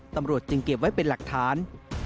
ตำรวจจึงเก็บไว้เป็นหลักฐาน